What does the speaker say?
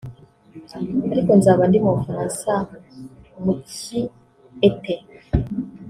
ariko nzaba ndi mu Bufaransa mu Cyi(été)